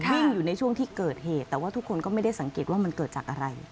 วิ่งอยู่ในช่วงที่เกิดเหตุแต่ว่าทุกคนก็ไม่ได้สังเกตว่ามันเกิดจากอะไร